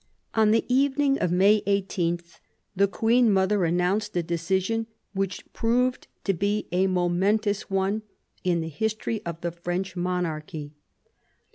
On the evening of May 18, the queen mother announced a decision which proved to be a momentous one in the history of the French monarchy.